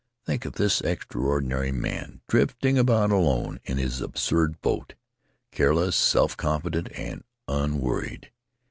Think of this extraordinary man, drifting about alone in his absurd boat — careless, self confident, and unworried!